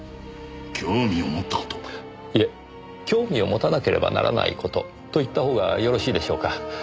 いえ興味を持たなければならない事と言った方がよろしいでしょうか。